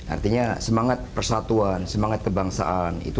artinya semangat persatuan semangat kebangsaan itu